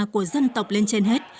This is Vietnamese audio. của dân tộc lên trên hết